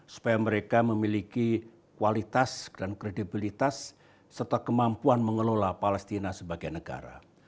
supaya mereka memiliki kualitas dan kredibilitas serta kemampuan mengelola palestina sebagai negara